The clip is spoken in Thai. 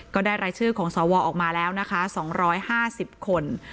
ก็ได้รายชื่อของสวออกมาแล้วนะคะ๒๕๐คน